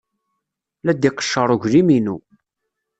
La d-iqeccer uglim-inu.